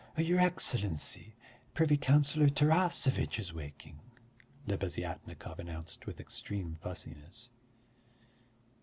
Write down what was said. "Your Excellency, privy councillor Tarasevitch is waking!" Lebeziatnikov announced with extreme fussiness.